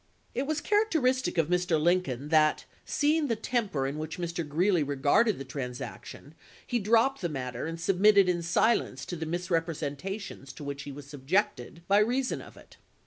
It was characteristic of Mr. Lincoln that, seeing the temper in which Mr. Greeley regarded the transaction, he dropped the matter and submitted i86±. in silence to the misrepresentations to which he was subjected by reason of it.